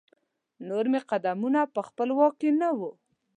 نور مې قدمونه په خپل واک کې نه وو.